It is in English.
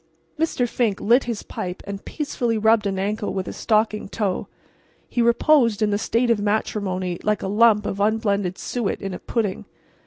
Mr. Fink lit his pipe and peacefully rubbed an ankle with a stockinged toe. He reposed in the state of matrimony like a lump of unblended suet in a pudding.